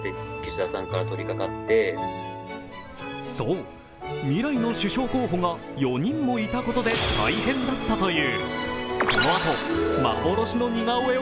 そう、未来の首相候補が４人もいたことで大変だったという。